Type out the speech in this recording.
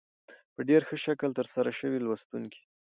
په ډېر ښه شکل تر سره شوې لوستونکي